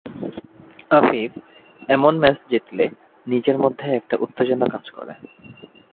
আফিফ: এমন ম্যাচ জিতলে নিজের মধ্যে একটা উত্তেজনা কাজ করে।